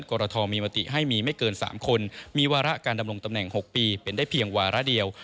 กรทมีมติให้มีไม่เกิน๓คนมีวาระการดำรงตำแหน่ง๖ปีเป็นได้เพียงวาระเดียว